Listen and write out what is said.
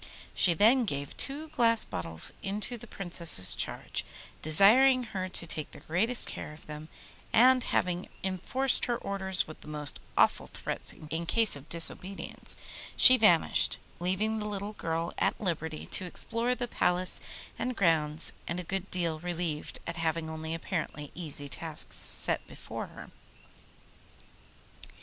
She then gave two glass bottles into the Princess's charge, desiring her to take the greatest care of them, and having enforced her orders with the most awful threats in case of disobedience, she vanished, leaving the little girl at liberty to explore the palace and grounds and a good deal relieved at having only two apparently easy tasks set her.